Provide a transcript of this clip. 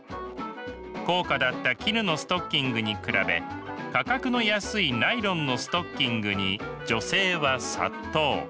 高価だった絹のストッキングに比べ価格の安いナイロンのストッキングに女性は殺到。